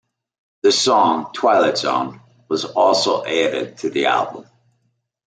The song "Twilight Zone" was also added to the album.